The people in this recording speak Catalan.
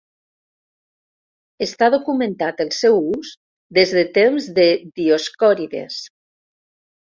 Està documentat el seu ús des de temps de Dioscòrides.